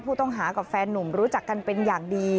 ผู้ต้องหากับแฟนนุ่มรู้จักกันเป็นอย่างดี